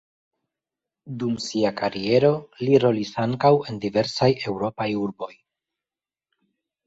Dum sia kariero li rolis ankaŭ en diversaj eŭropaj urboj.